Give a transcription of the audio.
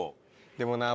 でもなあ